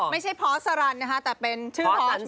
ไม่ใช่พอร์ชสารันนะครับแต่เป็นชื่อพอร์ชเหมือนกัน